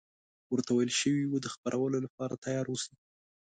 ورته ویل شوي وو د خپرولو لپاره تیار اوسي.